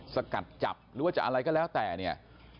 สกัดจับหรือว่าจะอะไรก็แล้วแต่เนี่ย